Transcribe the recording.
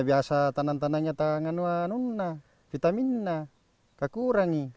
biasanya tanam tanamnya tidak ada vitaminnya tidak ada